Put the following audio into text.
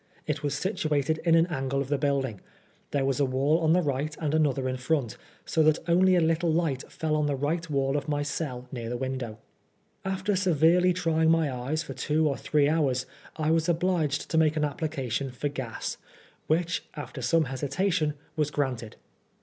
It was situated in an angle of the building ; there was a wall on the right and another in front, so that only a little light fell on the right wall of my cell near the window. After severely trying my eyes for two or three hours, I was obliged to make an application for gas, which, after some hesitation, was granted.